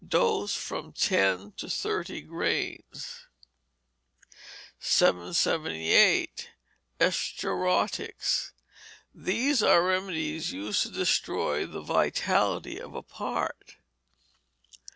Dose, from ten to thirty grains. 778. Escharotics. These are remedies used to destroy the vitality of a part.